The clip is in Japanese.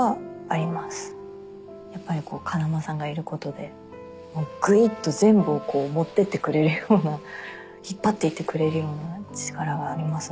やっぱり風間さんがいることでぐいっと全部を持ってってくれるような引っ張っていってくれる力がありますので。